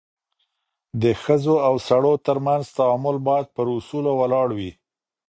د ښځو او سړو ترمنځ تعامل بايد پر اصولو ولاړ وي.